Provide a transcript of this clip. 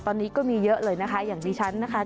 ตอนนี้ก็มีเยอะเลยนะคะอย่างดิฉันนะคะ